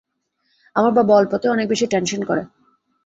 আমার বাবা অল্পতেই অনেক বেশি টেনশন করে।